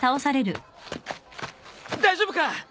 大丈夫か！？